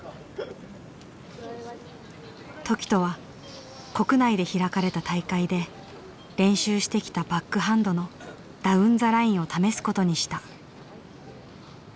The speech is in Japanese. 凱人は国内で開かれた大会で練習してきたバックハンドのダウン・ザ・ラインを試すことにした。